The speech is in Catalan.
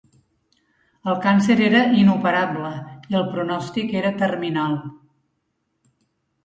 El càncer era inoperable i el pronòstic era terminal.